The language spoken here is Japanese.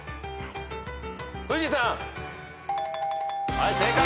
はい正解。